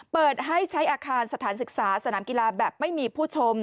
เปิดให้ใช้อาคารสถานศึกษาสนามกีฬาแบบไม่มีผู้ชม